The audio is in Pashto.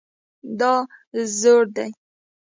دا زوړ دی